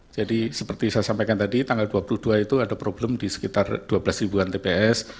jadi seperti saya sampaikan tadi tanggal dua puluh dua itu ada problem di sekitar dua belas tps